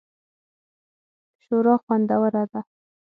شوروا خوندوره ده